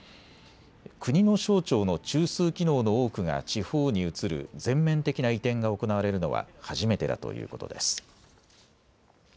国の省庁の中枢機能の多くが地方に移る全面的な移転が行われるのは初めてだということです。